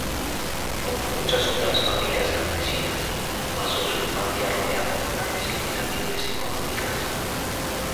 Como muchas otras familias campesinas, pasó su infancia rodeada de grandes limitaciones económicas.